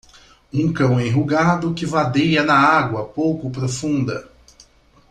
Um cão enrugado que vadeia na água pouco profunda.